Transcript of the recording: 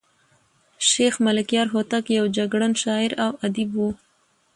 شېخ ملکیار هوتک یو جګړن شاعر او ادیب وو.